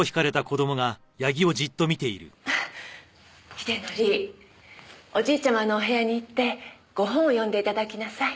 英則おじいちゃまのお部屋に行ってご本を読んでいただきなさい。